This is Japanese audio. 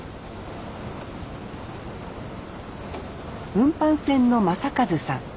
運搬船の将和さん。